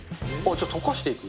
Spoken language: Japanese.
じゃあ、溶かしていく？